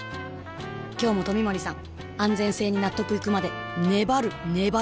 今日も冨森さん安全性に納得いくまで粘る粘る